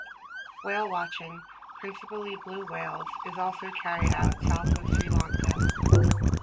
Whale-watching, principally blue whales, is also carried out south of Sri Lanka.